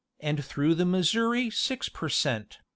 and through the Missouri 6 per cent.